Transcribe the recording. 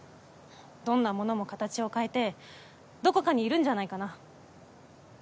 どんなものも形を変えてどこかにいるんじゃないかな？